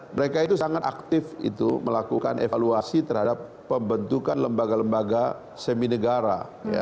mereka itu sangat aktif melakukan evaluasi terhadap pembentukan lembaga lembaga semi negara